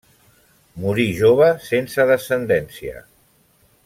Morí jove sense descendència.